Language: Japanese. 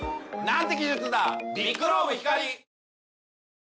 ん？